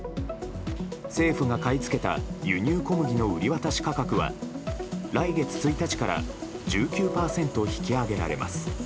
政府が買い付けた輸入小麦の売り渡し価格は来月１日から１９％引き上げられます。